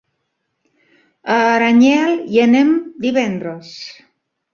A Aranyel hi anem divendres.